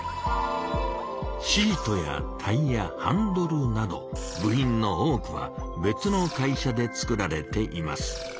シートやタイヤハンドルなど部品の多くは別の会社で作られています。